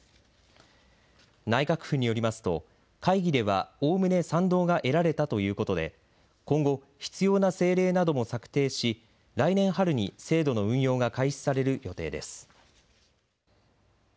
内閣府によりますと会議ではおおむね賛同が得られたということで今後、必要な政令なども策定し来年春に制度の運用が開始される予定です。